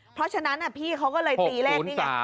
เพราะฉะนั้นอ่ะพี่เขาก็เลยตีเลขนี้เนี่ย